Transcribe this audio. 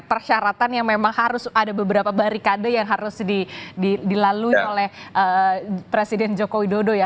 persyaratan yang memang harus ada beberapa barikade yang harus dilalui oleh presiden joko widodo ya